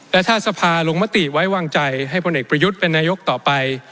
และถ้าสภาลงมติไว้วางใจให้พลเอกประยุทธ์เป็นนายกต่อไป